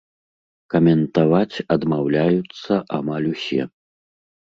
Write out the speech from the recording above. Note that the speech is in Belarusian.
Каментаваць адмаўляюцца амаль усе.